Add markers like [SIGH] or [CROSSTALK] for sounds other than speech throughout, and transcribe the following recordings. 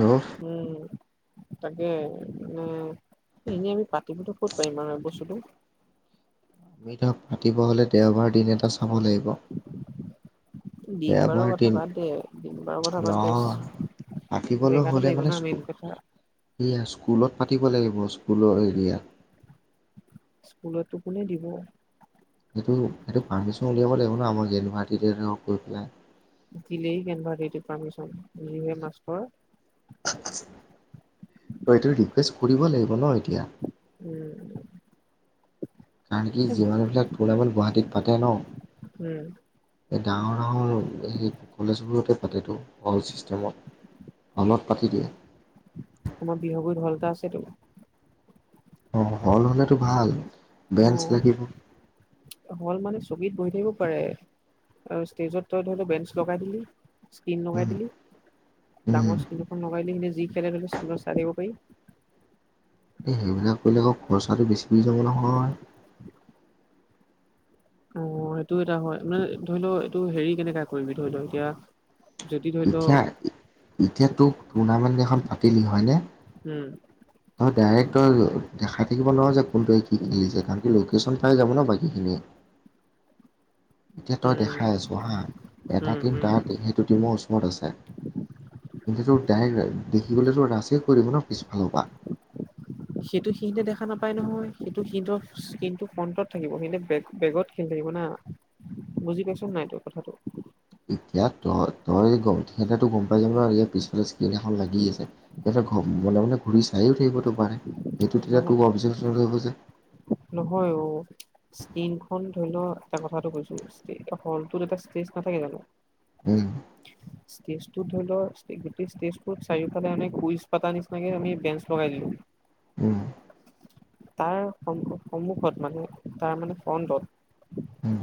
আৰু উম', -উম', -উম', তাকে মানে, এনেই আমি পাতিবতো ক'ত পাৰিম আৰু বস্তুটো', আমি ধৰক, পাতিব হ'লে দেওবাৰ দিন এটা চাব লাগিব', দিন বাৰৰ দেওবাৰ কথা দিন বাদ দে, দিন বাৰৰ কথা বাদ দে', নহয় জেগাটো লাগিব ন, মেইন কথা', সেয়া, স্কুলত পাতিব লাগিব, স্কুলৰ এৰিয়াত', স্কুলতো কোনে দিব? সেইটো - সেইটো পাৰ্মিশ্যন উলিয়াব লাগিব ন যেন গুৱাহাটীতে লগ কৰি পেলাই', দিলেই কেনেবাটো পাৰ্মিশ্যন যি হে মাষ্টৰ', ত এইটো ৰিকুৱেষ্ট কৰিব লাগিব ন এতিয়া', উম', কাৰণ কি, যি মানুহবিলাক প্ৰগেম গুৱাহাটীত পাতে ন? উম এই ডাঙৰ - ডাঙৰ সেই কলেজবোৰতে পাতেতো', হল ছিষ্টেমত, হলত পাতি দিয়ে', তোমাৰ বিহু বুলি ঢল এটা আছেটো? অ', হল হ'লে তো ভাল', বেঞ্চ অ' লাগিব হল মানে ছকিত বহি থাকিব পাৰে', তাৰপিছত ষ্টেজত তই ধৰিল বেঞ্চ লগাই দিলি', স্কিন লগাই উম দিলি, উম ডাঙৰ স্কিন এখন লগাই দিলি মানে যি খেলে - খেলে স্কিনত চাই থাকিব পাৰি', এই, সেইবিলাক কৰিলে আকৌ খৰচাটো বেছিই যাব নহয়? অ', সেইটো এটা হয়, মানে ধৰি লওঁ এইটো হেৰি কেনেকা কৰিবি ধৰি লওঁ এতিয়া', যদি ধৰি লও এতিয়া - এতিয়া তোক টুৰ্ণামেণ্ট এখন পাতিলি হয় নে? উম', তই ডাইৰেক্ট তই দেখাই থাকিব নোৱাৰ যে কোনটোৱে কি খেলিছে কাৰণ', তোৰ লোকেশ্যন পাই যাব ন বাকীখিনিয়ে', এতিয়া তই উম, দেখাই আছ হা, এটা উম, টিম উম, তাতে, সেইটো টিমৰ ওচৰত আছে', কিন্তু তোৰ ডাইৰেক্ট দেখিবলৈ তোৰ ৰাছে কৰিব ন পিছফালৰ পৰা', সেইটো সিহঁতে দেখা নাপায় নহয় সেইটো সিহঁতৰ স্কিনটো ফ্ৰণ্টটত থাকিব সেইবিলাক বেক - বেগত', খেলি থাকিব না, বুজি পাইছ নাই তই কথাটো', এতিয়া তই, তই গম, সিহঁতেতো গম পাই যাব ন ইয়াৰ পিছফালে চি', সেই দিনাখন লাগি আছে সিহঁতে ঘ মনে মনে ঘূৰি চাইয়ে থাকিব ন। ত পাৰে সেইটো তেতিয়া নহয় তোক অবজেভেশ্যন কৰিব যে। নহয় অ। ইস্পিন খন ধৰি ল এটা কথাটো কৈছো ষ্টেজ হলটো এটাষ্টেজ নাথাকে জানো? উম। [INAUDIBLE] ষ্টেজটো ধৰি লও গোটেই ষ্টেজটো চাৰিওফালে আমি কুইজ পাতা নিচিনাকে আমি বেঞ্চ লগাই দিলো। উম। তাৰ সম সন্মুখত মানে তাৰ মানে ফণ্ডত- উম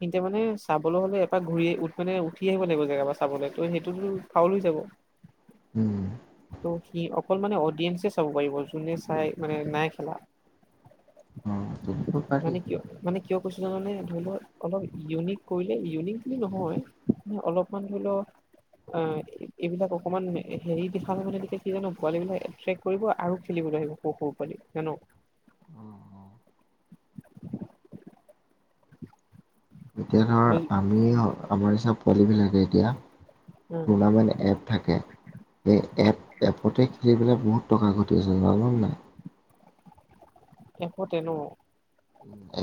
তেন্তে মানে চাবলৈ হলে এপাৰ ঘূৰি উ মানে উঠি আহিব লাগিব জেগাৰ পৰা চাবলৈ ত সেইটোতো ফাউল হৈ যাব- উম ত সি অকল মানে অডিয়েঞ্চে চাব পাৰিব যোনে চাই মানে নাই খেলা- অ' তেনেকৈ পাৰি মানে কিয়- মানে কিয় কৈছিল জানানে মানে ধৰিৰ অলপ ইউনিক কৰিলে ইউনিক বুলি নহয়। ম অলপমান ধৰি লও আহ এইবিলাক অকমান হেৰি- সষাল মানে এতিয়া কি জানো পোৱালী বিলাক এট্ৰেক্ট কৰিব আৰু খেলিবলৈ আহিব পশু পোৱালি জানন। অ' অ' এতিয়া ধৰ আমি আমাৰ হিচাপ পোৱালীবিলাকে এতিয়া উম টুৰ্ণামেণ্ট এপ- থাকে সেই এপ এপতে খেলি পেলাই বহুত টকা ঘটি আছে জাননে নাই। এপতে ন।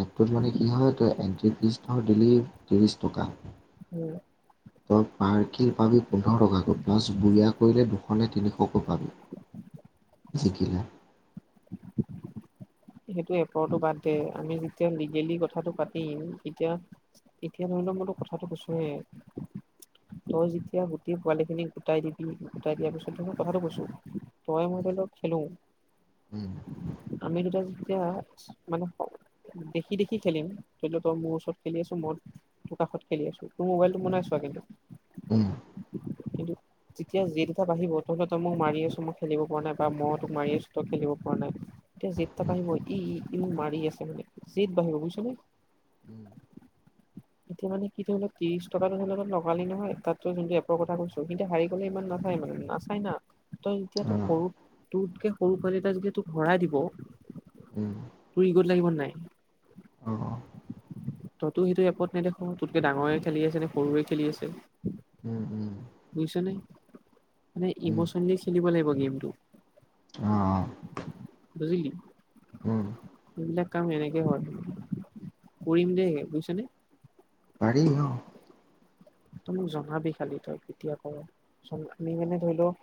এপটোত মানে কি হয় ত এট্ৰি ফিজ টা দিলি ত্ৰিশ টকা। উম। তই পাৰ্কিল পাবি পোন্ধৰ টকাকৈ প্লাছ বঢ়িয়া কৰিলে দুশ নে তিনিশকৈ পাবি। [UNINTELLIGIBLE] জিকিলে। [UNINTELLIGIBLE] সেইটো এপটো বাদ দে আমি যেতিয়া লিগেলি কথাটো পাতিম তেতিয়া- এতিয়া ধৰি লও মইতো কথাটো কৈছোয়ে- তই যেতিয়া গোটেই পোৱালি খিনিক গোটাই দিবি গোটাই দিয়াৰ পিছত ত মই কথাটো কৈছো- তই মই ধৰিলও খেলো, আমি দুটাই যেতিয়া মানে- দেখি দেখি খেলিম কিন্তু তই মোৰ ওচৰত খেলি আছ মোৰ- মোৰ কাষত খেলি আছো তোৰ মোবাইলটো নাই চোৱা কিন্তু। উম। কিন্তু। যেতিয়া যি দুটা বাঢ়িব তহঁত তই মোক মাৰি আছ মই খেলিব পৰা নাই বা মই তোক মাৰি আছো ত খেলিব পৰা নাই। এতিয়া জিদ টা বাঢ়িব ই ই ই মাৰি আছে মানে জিদ বাঢ়িব বুজিছা নে। উম। এতিয়া মানে কি ধৰি লও ত্ৰিশ টকাটো ধৰি লও লগালি নহয় তাতো যোনটো এপৰ কথা কৈছো- সি এতিয়া হাৰি গ'লে ইমান নাচায় মানে নাচায় না। তই যেতিয়া অঁ তোক সৰু তোতকে সৰু পোৱালি এটা যেতিয়া তোক হৰাই দিব। উম। তোৰ ইগত লাগিব নাই? অঁ। তইতো সেইটো এপত নেদেখ তোতকে ডাঙৰে খেলি আছে নে সৰুৰে খেলি আছে। উম, উম। বুজিছ নে মানে ইমচনেলি খেলিব লাগিব গেমটো। অঁ বুজিলি। অঁ সেইবিলাক কাম এনেকে হয় কৰিম দেই বুজিছানে? পাৰি অ। তই মোক জনাবি খালি তই কেতিয়া কৰ? আমি মানে ধৰি ল'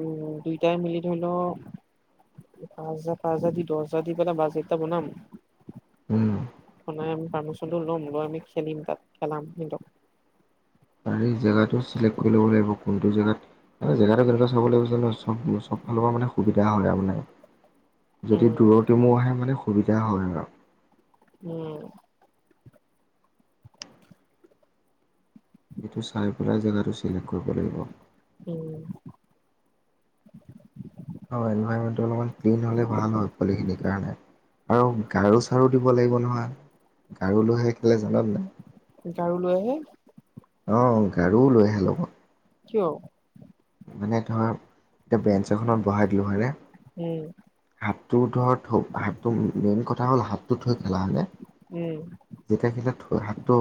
উম দুইটাই মিলি ধৰি ল' পাঁচজা পাঁচজা দি দছজা দি পেলাই বাজেট এটা বনাম। অঁ বনাই আমি পাৰ্মিচনটো ল'ম লৈ আমি খেলিম তাত খেলাম সিহঁতক। পাৰি জেগাটো চিলেক্ট কৰি ল'ব লাগিব কোনটো জেগাত আৰু জেগাটো কেনেকুৱা চাব লাগিছিলে নহয় চব চব ফালৰ পৰা মানে সুবিধা হয় আৰু মানে। যদি উম দূৰৰ টিমো আহে মানে সুবিধা হয় আৰু। উম। সেইটো চাই পেলাই জেগাটো চিলেক্ট কৰিব লাগিব। উম। অ এনভাইৰমেন্টটো অলমান ক্লিন হ'লে ভাল হয় পোৱালি খিনিৰ কাৰণে। আৰু গাৰু চাৰু দিব লাগিব নহয় গাৰু লোহে কেলে জান নে নাই? গাৰু লৈ আহে। অঁ গাৰুও লৈ আহে লগত। কিয়? মানে ধৰা এতিয়া বেঞ্চ এখনত বহাই দিলোঁ হয়নে উম হাতটো ধৰ থ' হাতটো মেইন কথা হ'ল হাতটো থৈ খেলা হয়নে? উম যেতিয়া খেলে থৈ হাতটো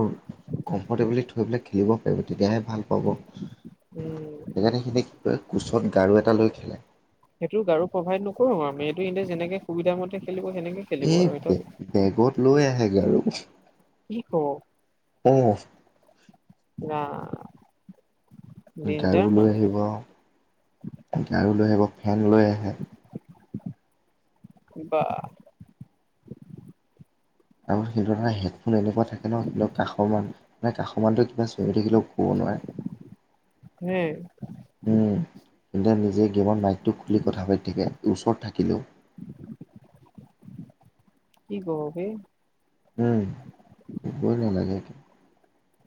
কমফৰ্টেবলি থৈ পেলাই খেলিব পাৰিব তেতিয়াহে ভাল পাব। উম। সেইকাৰণে সেইখিনি কি কয় কোচত গাৰু এটা লৈ খেলে। সেইটো গাৰু প্ৰভাইড নকৰোঁ আৱ আমি এইটো এন্তে যেনেকে সুবিধা মতে খেলিব সেনেকে খেলিব এই আৰু সেইটো বেগত লৈ আহে খাৰু। কি কৱ? অহ। ৰাম। ডেঞ্জাৰ গাৰু লৈ মাল আহিব আৱ। গাৰু লৈ আহিব ফেন লৈ আহে। বাহ তাৰপিছত [UNINTELLIGIBLE] হেডফোন এনেকুৱা থাকে ন' সেইৰ কাষৰমান মানে কাষ মানটো কিবা চিঞৰি থাকিলেও ক'ব হে নোৱাৰে উম। সিহঁতে নিজে গেমত মাইকটো খুলি কথা পাতি থাকে ওচৰত থাকিলেও। কি কৱ বে। উম, কবই নালাগে একে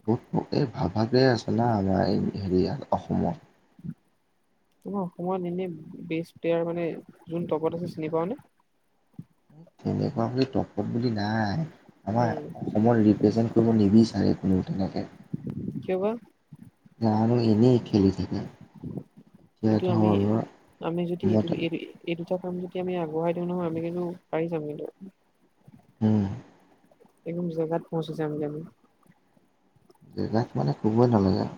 বত এই ভাব ভাগেই আছে না আমাৰ হেৰিয় [UNINTELLIGIBLE] অসমত। আমাৰ অসমত এনে বেষ্ট প্লেয়াৰ মানে যোন টপত আছে চিনি পাৱ নে? তেনেকুৱা বুলি টপত বুলি নাই আমাৰ অস উম অসমৰ ৰিপ্ৰেজেণ্ট কৰিব নিবিচাৰে কোনেও তেনেকে। কিয় বা? জানো এনেই খেলি থাকে। এতিয়া এইটো আমি ধৰ আমি যদি মই এইটো এইটো এই দুটা কাম যদি আমি আগবঢ়াই দিওঁ নহয় আমি কিন্তু পাৰি যাম কিন্তু। উম। একদম জেগাত পঁচি যামগে আমি। জেগাত মানে ক'বই নালাগে আৱ।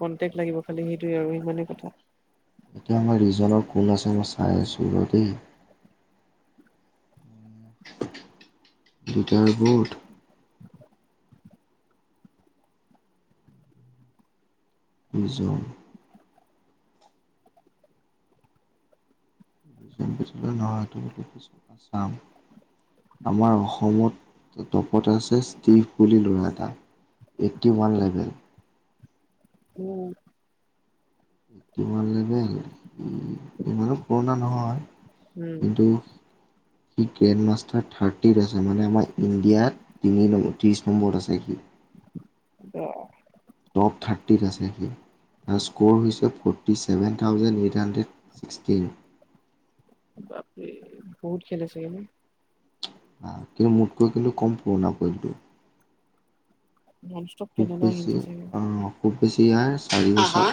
কন্টেক লাগিব, খালি সেইটোয়ে আৰু সিমানেই কথা। এতিয়া আমাৰ ৰিজনৰ কোন আছে, মই চাই আছোঁ ৰ দেই। দুই গুৰ দিছোঁ স্পীড নহয় এইটো, স্পীড পাম। আমাৰ অসমত টপত এছ ইছ ষ্টিভ বুলি লোৱা এটা এইটি ওৱান লেভেল। উম। কিমান লেবেল, ইমানো পুৰণা নহয়। কিন্তু সি গ্ৰেণ্ড মাষ্টাৰ থাৰ্টিত আছে, মানে আমাৰ ইণ্ডিয়াত তিনি নম্বৰ ত্ৰিছ নম্বৰত আছে সি অহ টপ থাৰ্টিত আছে সি তাৰ স্ক'ৰ হৈছে forty seven thousand, eight hundred sixteen. বাপৰে বহুত খেলে চাগে নহ কিন্তু মোতকৈ কিন্তু কম পুৰণা এইটো। উম খুব বেছি অহ, ‌ খুব বেছি ইয়াৰ চাৰি বছৰ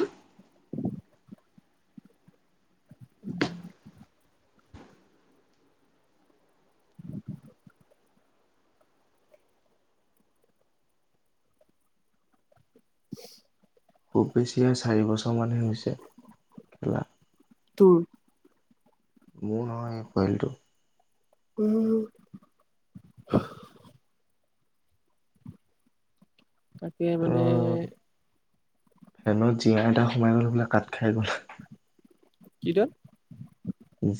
খুব বেছি চাৰি বছৰমানহে হৈছে, খেলা তোৰ মোৰ নহয় এই পোৱালিটো আহ, আ তাকে মানে ট্ৰেনত জীৰা এটা সোমাই গ'ল বোলে, কাট খাই গ'ল কিটো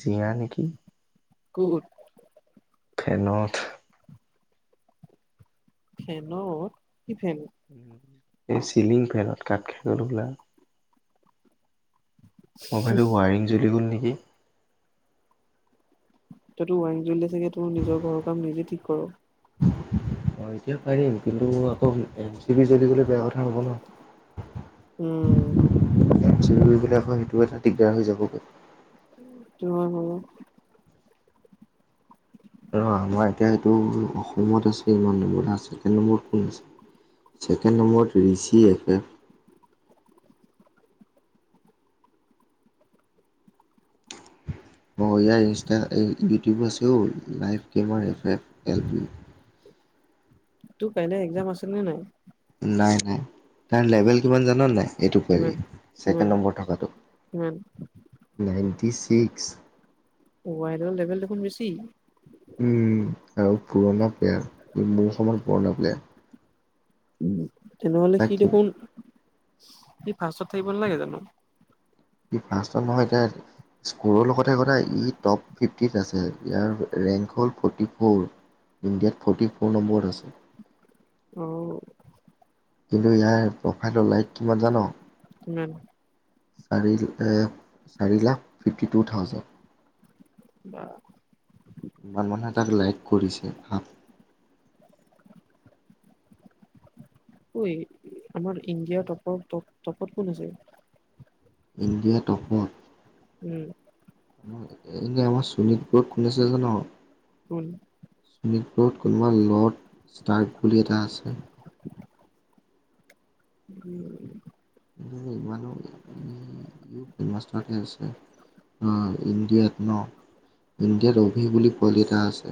জীয়া নেকি কুকুৰ ফেনত ফেনত, কি ফেন? এই চিলিং ফেনত, কাট খাই গল হবলা মোবাইলটো ৱাৰিং জ্বলি গ'ল নেকি তাতো ৱাৰিং জ্বলিলে চাগে তোমাৰ নিজৰ ঘৰ কাম নিজে ঠিক কৰিব এতিয়া পাৰিম, কিন্তু আকৌ এম চি বি জ্বলি গ'লে বেয়া কথা হ'ব নহ। উম। এম চি বি কেইটা আকৌ সেইটো এটা দিগদাৰ হৈ যাব। সেইটো হৈ বাৰু আৰু আমাৰ এতিয়া এইটো অসমত আছে, ইমান নম্বৰ আছে, কে নম্বৰত কোন আছে ছেকেণ্ড নম্বৰত ৰি চি এফ এফ অহ ইয়াৰ ইনষ্টা এই ইউটিউব আছেও, লাইভ কেমাৰ এফ এফ এল পি তোৰ কাইলে একজাম আছে নে নাই? নাই নাই, তাৰ লেভেল কিমান জান নাই? এইটো কবি, কিমান কিমান ছেকেণ্ড নম্বৰ থকাটো কিমান নাইণ্টি ছিক্স ৱাইৰ লেভেল দেখোন বেছি। উম আৰু পুৰণা প্লেয়াৰ, মোৰ সমান পুৰণা প্লেয়াৰ। তেনেহ'লে সি তাক দেখোন সি ফাষ্টত থাকিব নালাগে জানোঁ। কি ফাষ্টত নহয়। [UNINTELLIGIBLE] স্ক'ৰৰ লগতে সদায় টপ ফিফটিত আছে ইয়াৰ ৰেংক হ'ল ফৰ্টি ফ'ৰ। ইণ্ডিয়াত ফ'ৰ্টি ফ'ৰ নম্বৰত আছে। অ। কিন্তু ইয়াৰ প্ৰফাইলৰ লাইট কিমান জানোঁ? কিমান? চাৰি [UNINTELLIGIBLE] চাৰি লাখ ফিফটি টু থাউজেণ্ড। অ। ইমান মানুহে তাক লাইক কৰিছে ভাব ঐ আমাৰ ইণ্ডিয়াৰ টপৰ টপ-টপত কোন আছে? ইণ্ডিয়া টপত। উম। এনেই আমাৰ শোণিতপুৰত কোন আছে জানোঁ? কোন? শোণিতপুৰত কোনোবা লৰ্ড ষ্টাৰ্ক বুলি এটা আছে। উম। [UNINTELLIGIBLE] [UNINTELLIGIBLE] আছে উম ইণ্ডিয়াত নহ। ইণ্ডিয়াত অভি বুলি পোৱালি এটা আছে।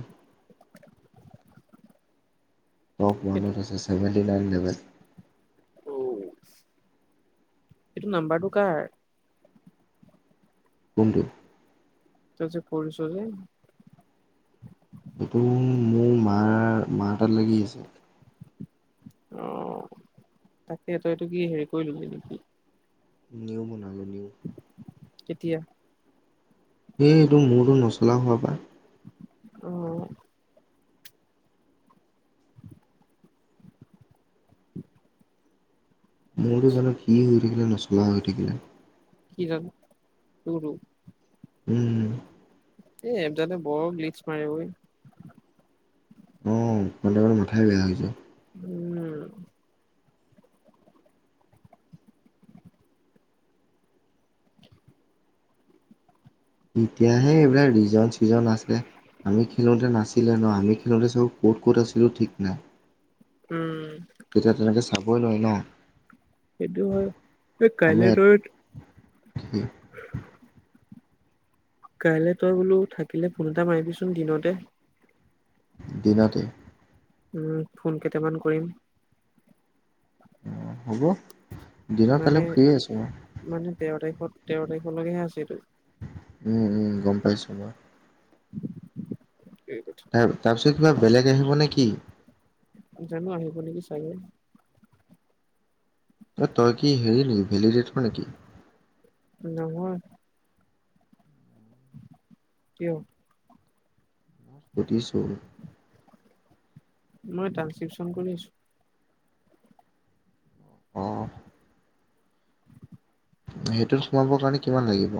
টপ এইটো ৱানত আছে চেভেনটি নাইন লেভেল। ঔ। এইটো নাম্বাৰটো কাৰ? কোনটো? তেওঁ যে পৰিছোঁহে। এইটো মোৰ মাৰ মাৰ তাত লাগি আছে। অ তাকে তই এইটো কি হেৰি কৰি লবি নেকি? নিউ বনালো নিউ। কেতিয়া? সেই এইটো মোৰটো নচলা হোৱাৰ পৰা। অ। মোৰতো জানোঁ কি হৈ থাকিলে নচলা হৈ থাকিলে। কি হ'ল তোৰটো? উম। এই এপ দালে বোৰ গ্লিছ মাৰে ঐ। অ মাজে মাজে মাথাই বেয়া হৈ যায়। [UNINTELLIGIBLE] এতিয়াহে এইবিলাক ৰিজন চিজন আছে। আমি খেলোঁতে নাছিলে নহ আমি খেলোঁতে চব ক'ত, ক'ত আছিলোঁ ঠিক নাই। উম। তেতিয়া তেনেকে চাবই নোৱাৰি নহ। সেইটো হয় আমি কাইলৈ তই [UNINTELLIGIBLE] কাইলৈ তই বোলো থাকিলে ফোন এটা মাৰিবিচোন দিনতে। দিনতে। উম ফোন কেইটামান কৰিম। অ হ'ব দিনত মানে কাইলে ফ্ৰীয়ে আছো বাৰু। মানে তেৰ তাৰিখত তেৰ তাৰিখলৈকেহে আছে এইটো। উম উম গম পাইছোঁ মই [UNINTELLIGIBLE] তাৰ তাৰপিছত কিবা বেলেগ আহিব নে কি? জানো আহিব নেকি চাগে। এ তই কি হেৰি নেকি ভেলিডটৰ নেকি? নহয়। কিয়? সুধিছোঁ মই ট্ৰেনস্ক্ৰিপচন কৰি আছো। অ। সেইটোত সোমাবৰ কাৰণে কিমান লাগিব?